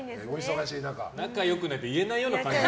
仲良くないと言えないような感じ。